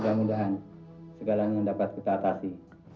mudah mudahan segalanya dapat kita atasi